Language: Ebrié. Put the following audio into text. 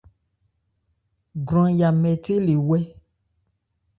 Gwranya nmɛthé le wɛ́.